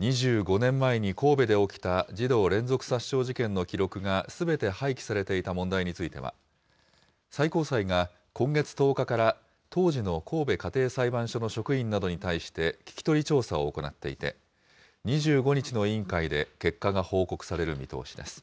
２５年前に神戸で起きた児童連続殺傷事件の記録がすべて廃棄されていた問題については、最高裁が今月１０日から、当時の神戸家庭裁判所の職員などに対して聞き取り調査を行っていて、２５日の委員会で結果が報告される見通しです。